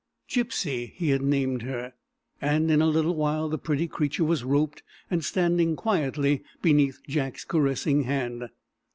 "Gypsy" he had named her, and in a little while the pretty creature was "roped" and standing quietly beneath Jack's caressing hand.